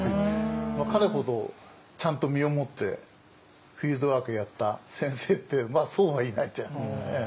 彼ほどちゃんと身をもってフィールドワークやった先生ってそうはいないんじゃないですかね。